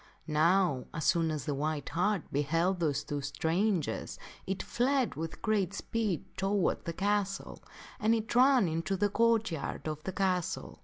Now, as soon as the white hart beheld those two strangers, it fled with great speed toward the castle, and it ran into the court yard of the castle.